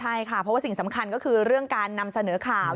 ใช่ค่ะเพราะว่าสิ่งสำคัญก็คือเรื่องการนำเสนอข่าว